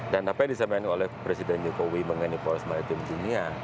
dan apa yang disampaikan oleh presiden jokowi mengenai poros maritim dunia